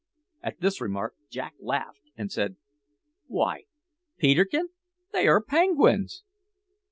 At this remark Jack laughed and said: "Why, Peterkin, they are penguins!"